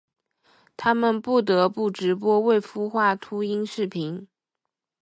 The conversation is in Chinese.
他们不得不直播未孵化秃鹰视频。